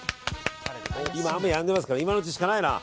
今、雨やんでますから今のうちしかないな。